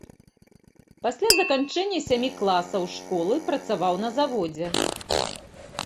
Пасля заканчэння сямі класаў школы працаваў на заводзе.